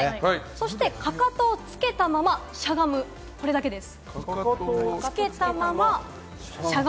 そして、かかとをつけたまましゃがむ、それだけです。